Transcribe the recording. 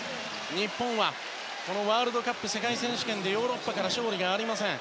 日本は、このワールドカップ世界選手権でヨーロッパ勢から勝利がありません。